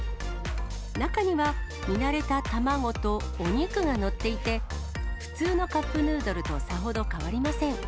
中には、見慣れた卵とお肉が載っていて、普通のカップヌードルとさほど変わりません。